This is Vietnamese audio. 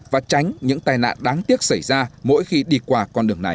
và tránh những tai nạn đáng tiếc xảy ra mỗi khi đi qua con đường này